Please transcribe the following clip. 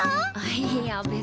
いや別に。